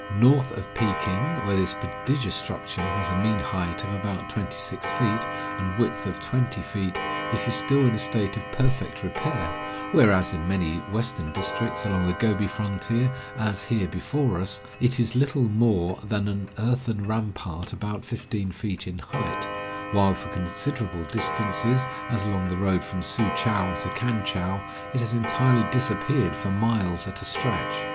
North of Peking, where this prodigious structure has a mean height of about twenty six feet, and width of twenty feet, it is still in a state of perfect repair, whereas in many western districts along the Gobi frontier, as here before us, it is little more than an earthen rampart about fifteen feet in height, while for considerable distances, as along the road from Su chou to Kan chou, it has entirely disappeared for miles at a stretch.